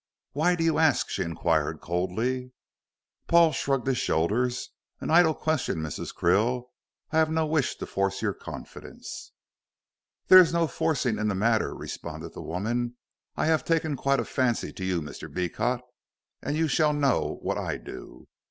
"Why do you ask?" she inquired coldly. Paul shrugged his shoulders. "An idle question, Mrs. Krill. I have no wish to force your confidence." "There is no forcing in the matter," responded the woman. "I have taken quite a fancy to you, Mr. Beecot, and you shall know what I do."